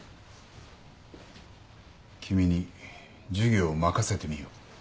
君に授業を任せてみよう。